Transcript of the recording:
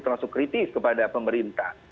terlalu kritis kepada pemerintah